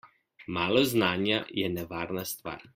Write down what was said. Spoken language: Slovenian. Malo znanja je nevarna stvar.